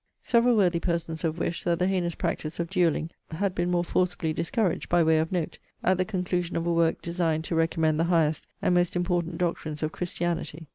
'Several worthy persons have wished, that the heinous practice of duelling had been more forcibly discouraged, by way of note, at the conclusion of a work designed to recommend the highest and most important doctrines of christianity.